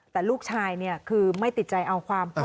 แต่ลูกชายคือไม่ติดใจเอาความพอ